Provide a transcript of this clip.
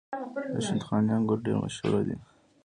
د شندخاني انګور ډیر مشهور دي.